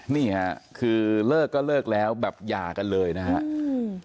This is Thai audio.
นี่ค่ะคือเลิกก็เลิกแล้วแบบหย่ากันเลยนะครับ